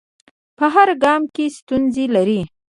په هر ګام کې ستونزې لري.